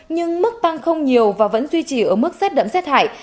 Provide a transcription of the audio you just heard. nhưng mức tăng không nhiều và vẫn duy trì ở mức xét đẫm xét hại